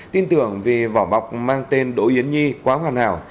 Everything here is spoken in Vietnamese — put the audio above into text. tin tưởng vì vỏ bọc mang tên đỗ yến nhi quá hoàn hảo